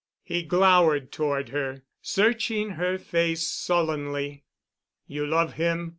He glowered toward her, searching her face sullenly. "You love him?"